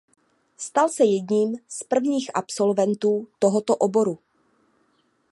Stal se jedním z prvních absolventů tohoto oboru.